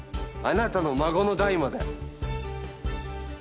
あなたの孫の代まで！